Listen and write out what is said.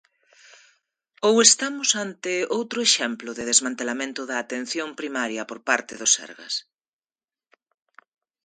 Ou estamos ante outro exemplo de desmantelamento da Atención Primaria por parte do Sergas?